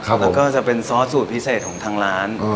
แล้วก็จะเป็นซอสสูตรพิเศษของทางร้าน